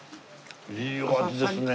いいお味ですね。